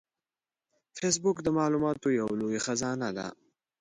فېسبوک د معلوماتو یو لوی خزانه ده